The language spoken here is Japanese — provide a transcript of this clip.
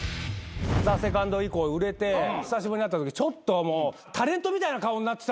ＴＨＥＳＥＣＯＮＤ以降売れて久しぶりに会ったときちょっともうタレントみたいな顔になってたんですよ。